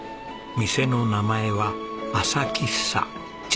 店の名前は「朝喫茶ちっと」。